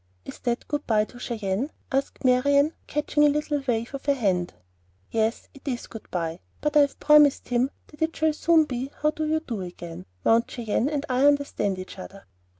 "Is that good by to Cheyenne?" asked Marian, catching the little wave of a hand. "Yes, it is good by; but I have promised him that it shall soon be how do you do again. Mount Cheyenne and I understand each other."